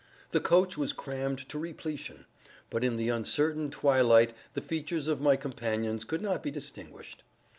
The coach was crammed to repletion; but in the uncertain twilight the features of my companions could not be distinguished.